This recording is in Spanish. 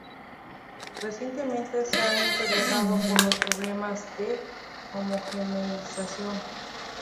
Recientemente se ha interesado por los problemas de homogeneización.